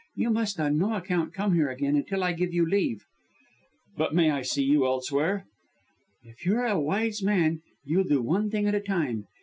You must on no account come here again, until I give you leave." "But I may see you elsewhere?" "If you're a wise man, you'll do one thing at a time.